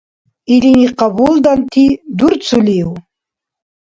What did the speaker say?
Илини къабулданти дурцулив?